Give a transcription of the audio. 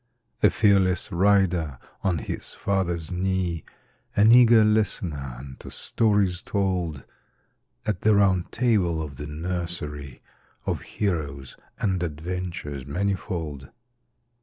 A fearless rider on his father's knee, An eager listener unto stories told At the Round Table of the nursery, Of heroes and adventures manifold.